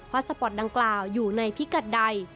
สปอร์ตดังกล่าวอยู่ในพิกัดใด